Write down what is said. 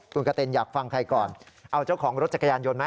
คุณกะเต็นอยากฟังใครก่อนเอาเจ้าของรถจักรยานยนต์ไหม